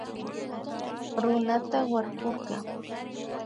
Runata warkurka